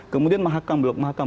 kemudian mahakam blok mahakam